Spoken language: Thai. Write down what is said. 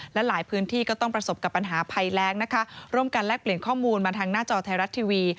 และหลายพื้นที่ก็ต้องประสบกับปัญหาภัยแรงนะคะร่วมกันแลกเปลี่ยนข้อมูลมาทางหน้าจอไทยรัฐทีวี